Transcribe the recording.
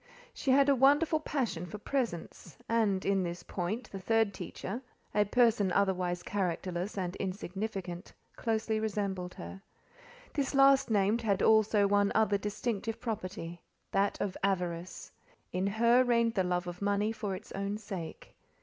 She had a wonderful passion for presents; and, in this point, the third teacher—a person otherwise characterless and insignificant—closely resembled her. This last named had also one other distinctive property—that of avarice. In her reigned the love of money for its own sake.